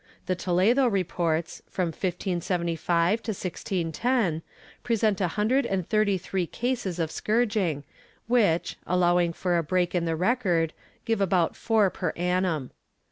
The Toledo reports, from 1575 to 1610, present a himdred and thirty three cases of scourging which, allowing for a break in the record, give about four per annum.